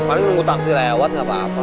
paling nunggu taksi lewat nggak apa apa